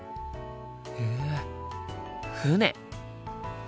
へえ船。